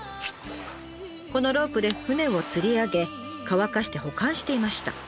このロープで船をつり上げ乾かして保管していました。